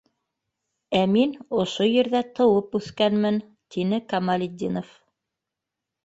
Ә мин ошо ерҙә тыуып үҫкәнмен, - тине Камалетдинов.